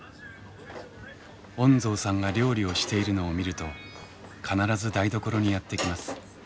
恩蔵さんが料理をしているのを見ると必ず台所にやって来ます。